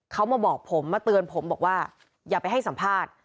เขามาบอกผมมาเตือนผมบอกว่าอย่าไปให้สัมภาษณ์